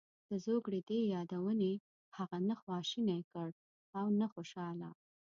د زوکړې دې یادونې هغه نه خواشینی کړ او نه خوشاله.